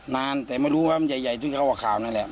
นานแต่ไม่รู้ว่ามันใหญ่ที่เขาออกข่าวนั่นแหละ